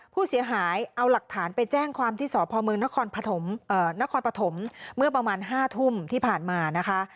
ผู้เสียหายเอาหลักฐานไปแจ้งความที่สพมนครปฐมเมื่อประมาณ๕ทุ่มที่ผ่านมานะคะ